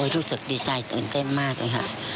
ทุกสิทธิ์กระดาษดีใจเต็มมากเลยครับ